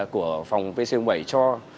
của phòng pc một mươi bảy cho